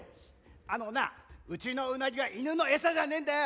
あのなうちのうなぎは犬の餌じゃねえんだよ。